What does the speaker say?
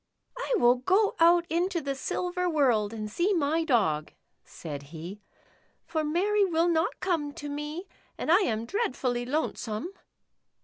" I will go out into the silver world and see my Dog," said he, " for Mary will not come to me, and I am dreadfully lonesome."